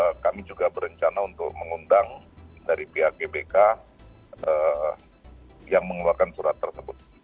karena kami juga berencana untuk mengundang dari pihak gbk yang mengeluarkan surat tersebut